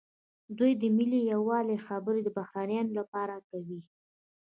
دوی د ملي یووالي خبرې د بهرنیانو لپاره کوي.